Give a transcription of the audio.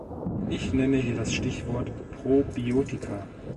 Ich nenne hier das Stichwort Probiotika.